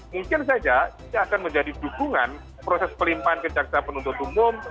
mungkin saja ini akan menjadi dukungan proses pelimpahan ke jaksa penuntut umum